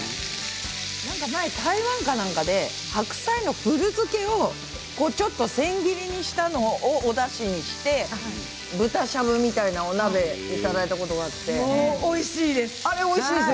台湾かどこかで白菜の古漬けを千切りにしたものをおだしにして豚しゃぶみたいなお鍋をいただいたことがあります。